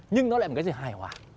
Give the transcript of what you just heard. nhưng nó lại là một cái gì hài hòa